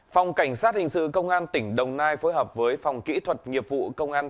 phòng cảnh sát hình sự công an tỉnh đồng nai phối hợp với phòng kỹ thuật nghiệp vụ công an